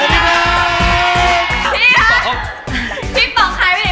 พี่บอร์น